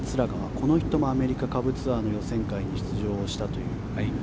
この人もアメリカ下部ツアーの予選会に出場をしたという。